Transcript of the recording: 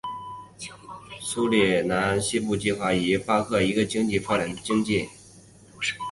苏里南西部计划就是以在巴克赫伊斯山开采铝土矿为核心的一个经济发展计划。